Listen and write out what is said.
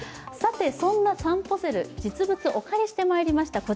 そんなさんぽセル、実物をお借りしてまいりました。